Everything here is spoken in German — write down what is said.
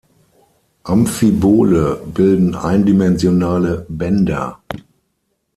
Amphibole bilden eindimensionale Bänder.